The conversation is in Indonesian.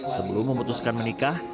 sebelum memutuskan menikah